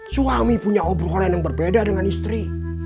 suami punya obrolan yang berbeda dengan istri